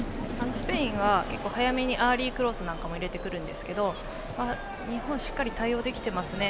スペインは結構早めにアーリークロスなんかも入れてくるんですが日本、しっかり対応できてますね。